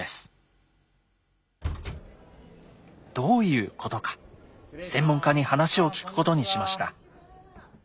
どういうことか専門家に話を聞くことにしました。